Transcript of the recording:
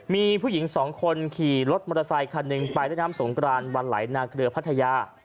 มีผู้หญิงสองคนขี่รถมอเตอร์ไซคันหนึ่งไปเล่นน้ำสงกรานวันไหลนาเกลือพัทยา